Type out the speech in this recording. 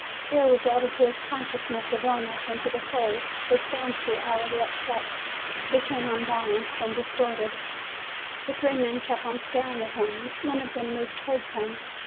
Fear was added to his consciousness of illness and to the cold; his fancy, already upset, be came unbalanced, distorted. The three men kept on staring at him; one of them moved towards him.